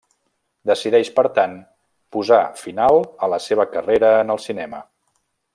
Decideix per tant posar final a la seva carrera en el cinema.